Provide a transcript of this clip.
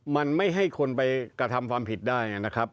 มันไม่ให้คนไปกระทำความผิดได้นะครับ